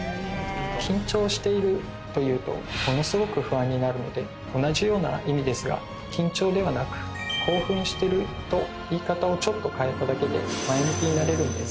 「緊張している」と言うとものすごく不安になるので同じような意味ですが「緊張」ではなく「興奮している」と言い方をちょっと変えただけで前向きになれるんです。